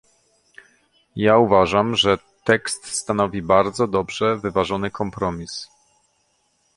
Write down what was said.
Ja uważam, że tekst stanowi bardzo dobrze wyważony kompromis